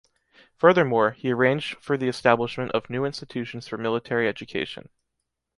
Furthermore, he arranged for the establishment of new institutions for military education.